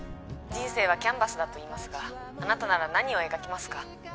人生はキャンバスだといいますがあなたなら何を描きますか？